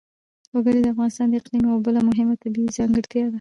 وګړي د افغانستان د اقلیم یوه بله مهمه طبیعي ځانګړتیا ده.